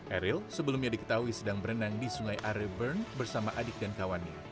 eril sebelumnya diketahui sedang berenang di sungai are bern bersama adik dan kawannya